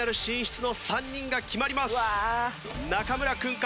中村君か？